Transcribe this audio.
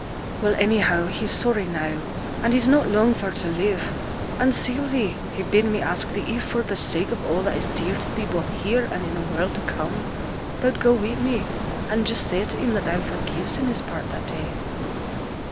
'Well, anyhow he's sorry now; and he's not long for to live. And, Sylvie, he bid me ask thee, if, for the sake of all that is dear to thee both here, and i' th' world to come, thou'd go wi' me, and just say to him that thou forgives him his part that day.'